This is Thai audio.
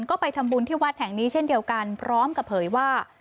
ก็ไปทำบุญที่วัดแห่งนี้เช่นเดียวกันพร้อมกับเผยว่า